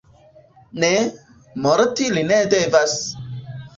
Ne, morti li ne devas!